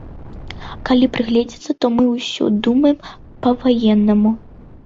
Калі прыгледзецца, то мы ўсё думаем па-ваеннаму.